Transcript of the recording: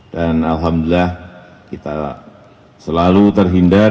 dan alhamdulillah kita selalu terhindar